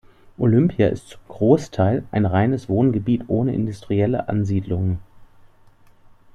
Olympia ist zum Großteil ein reines Wohngebiet ohne industrielle Ansiedlungen.